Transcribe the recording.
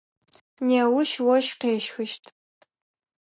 Неущ ощх къещхыщт.